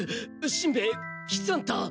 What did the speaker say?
しんべヱ喜三太。